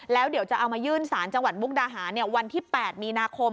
แล้วเดี๋ยวจะเอามายื่นสารจังหวัดมุกดาหารวันที่๘มีนาคม